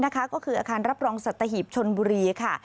ก็คืออาคารรับรองสัตหีบชนบุรีค่ะ